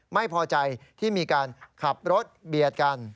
ไม่พอใจที่มีการขับรถเบียดกัน